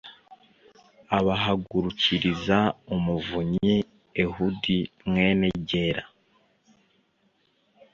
abahagurukiriza umuvunyi ehudi mwene gera